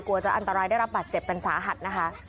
จะอันตรายได้รับบาดเจ็บกันสาหัสนะคะ